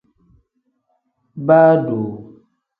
Baa doo.